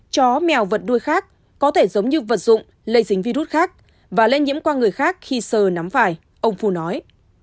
chó mèo vật đuôi khác có thể giống như vật dụng lây dính virus khác và lây nhiễm qua người khác khi sơ nắm phải ông phu nói